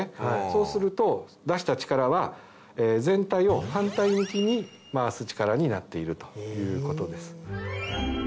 そうすると出した力は全体を反対向きに回す力になっているということです。